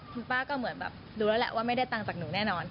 คุณป้าก็เหมือนแบบรู้แล้วแหละว่าไม่ได้ตังค์จากหนูแน่นอน